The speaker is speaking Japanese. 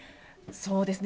そうですね。